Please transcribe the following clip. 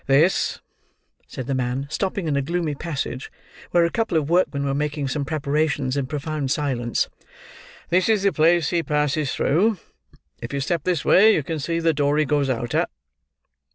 "This," said the man, stopping in a gloomy passage where a couple of workmen were making some preparations in profound silence—"this is the place he passes through. If you step this way, you can see the door he goes out at."